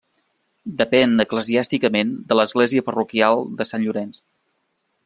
Depèn eclesiàsticament de l'església parroquial de Sant Llorenç.